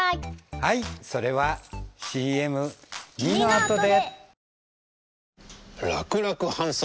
はいそれはＣＭ②のあとで！